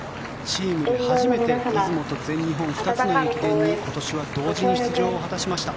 チームで初めて出雲と全日本、２つの駅伝に今年は同時に出場を果たしました。